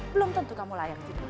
belum tentu kamu layak